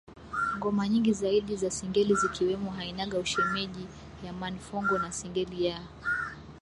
ngoma nyingi zaidi za Singeli zikiwemo Hainaga Ushemeji ya Man Fongo na Singeli ya